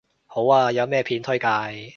好啊，有咩片推介